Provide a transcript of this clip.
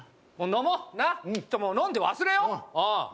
もう飲もう、飲んで忘れよう。